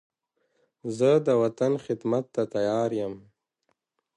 زه د وطن خدمت ته تیار یم.